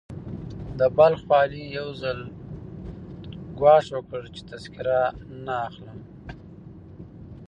د بلخ والي يو ځل ګواښ وکړ چې تذکره نه اخلم.